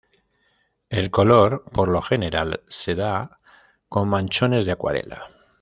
El color, por lo general, se da con manchones de acuarela.